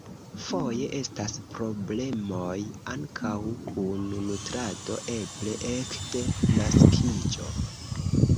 Foje estas problemoj ankaŭ kun nutrado, eble ekde naskiĝo.